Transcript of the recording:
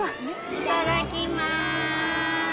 いただきます。